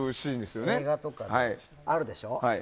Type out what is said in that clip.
よく映画とかであるでしょ。